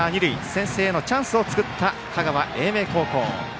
先制のチャンスを作った香川・英明高校。